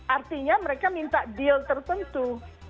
artinya mereka minta deal tertentu